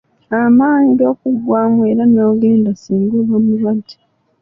Amaanyi gakuggwaamu era n'ogonda singa oba mulwadde.